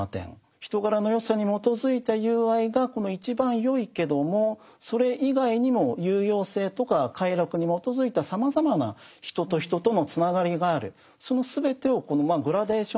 人柄の善さに基づいた友愛が一番よいけどもそれ以外にも有用性とか快楽に基づいたさまざまな人と人とのつながりがある。